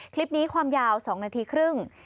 คลิปนี้ความยาว๒นาทีครึ่ง